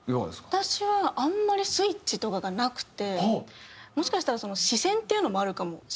私はあんまりスイッチとかがなくてもしかしたら詞先っていうのもあるかもしれないんですけど。